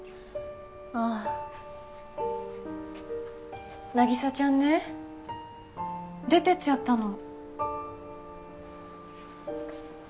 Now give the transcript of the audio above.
あぁ凪沙ちゃんね出て行っちゃったの。